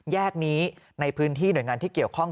แยกนี้ในพื้นที่หน่วยงานที่เกี่ยวข้อง